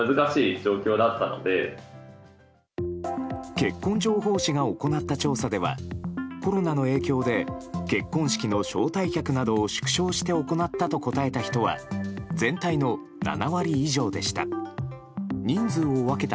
結婚情報誌が行った調査ではコロナの影響で結婚式の招待客などを縮小して行ったと答えた人は全体の７割以上でした。